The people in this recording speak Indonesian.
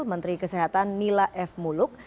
menteri kesehatan nila f muluk